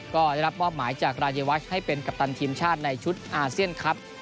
ก็ได้รับมอบหมายจากรายวัชให้เป็นกัปตันทีมชาติในชุดอาเซียนครับ